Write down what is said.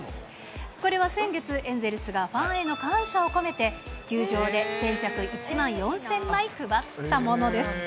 これは先月、エンゼルスがファンへの感謝を込めて、球場で先着１万４０００枚配ったものです。